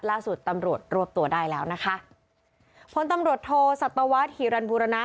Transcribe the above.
ล่าสุดตำรวจรวบตัวได้แล้วนะคะพลตำรวจโทสัตวรรษหิรันบุรณะ